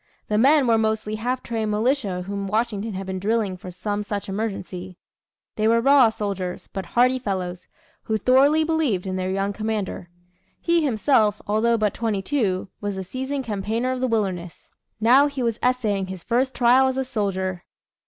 The men were mostly half trained militia whom Washington had been drilling for some such emergency. They were raw soldiers, but hardy fellows, who thoroughly believed in their young commander. He himself, although but twenty two, was a seasoned campaigner of the wilderness. Now he was essaying his first trial as a soldier.